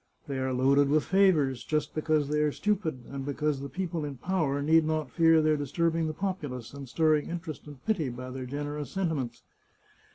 They are loaded with favours, just because they are stupid, and because the people in power need not fear their disturbing the populace, and stirring in terest and pity by their generous sentiments.